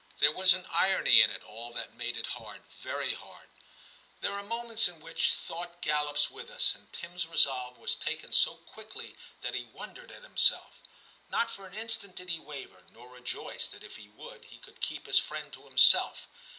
There was an irony in it all that made it hard, very hard. There are moments 268 TIM CHAP. in which thought gallops with us, and Tim's resolve was taken so quickly that he wondered at himself. Not for an instant did he waver, nor rejoice that if he would, he could keep his friend to himself.